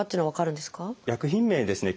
薬品名にですね